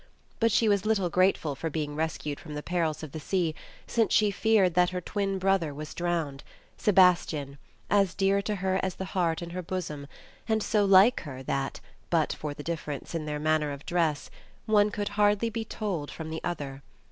But she was little grateful for being rescued from the perils of the sea, since she feared that her twin brother was drowned, Se bastian, as dear to her as the heart in her bosom, and so like her that, but for the difference in their manner of dress, one could hardly be told from the other.